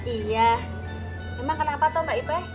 iya emang kenapa tuh mbak ipah